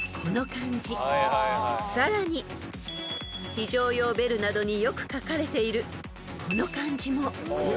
［非常用ベルなどによく書かれているこの漢字も］